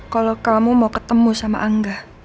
kalau kamu mau ketemu sama angga